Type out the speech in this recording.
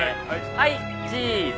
はいチーズ。